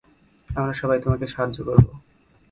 আমরা সবাই তোমাকে সাহায্য করবো।